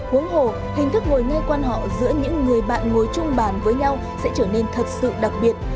huống hồ hình thức ngồi nghe quan họ giữa những người bạn ngồi trung bàn với nhau sẽ trở nên thật sự đặc biệt